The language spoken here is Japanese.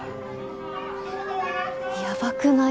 やばくない？